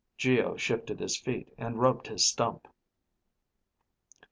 Geo shifted his feet and rubbed his stump.